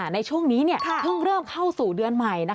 ในช่วงนี้เพิ่งเริ่มเข้าสู่เดือนใหม่